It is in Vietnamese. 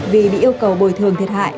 vì bị yêu cầu bồi thường thiệt hại